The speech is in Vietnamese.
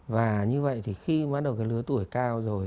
và như vậy thì khi bắt đầu cái lứa tuổi cao rồi